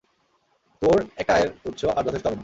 তোর একটা আয়ের উৎস আর যথেষ্ট হবে না।